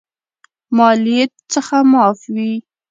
مالیې څخه معاف وي.